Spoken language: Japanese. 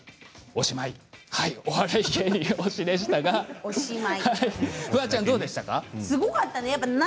お笑い芸人推しでしたがフワちゃんどうでしたか。